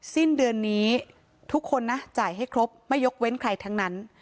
สิ้นเดือนนี้ทุกคนนะจ่ายให้ครบไม่ยกเว้นใครทั้งนั้น